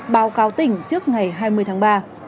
báo cáo tỉnh trước ngày hai mươi tháng ba